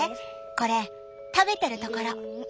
これ食べてるところ。